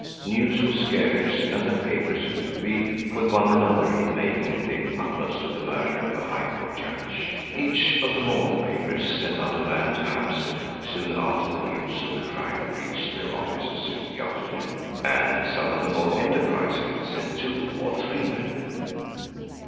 News was scarce and the papers vied with one another in making the utmost of the murder of a High Court judge. Each of the morning papers sent out a man to Hampstead soon after the news of the crime reached their offices in the afternoon, and some of the more enterprising sent two or three men.